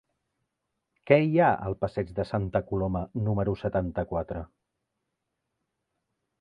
Què hi ha al passeig de Santa Coloma número setanta-quatre?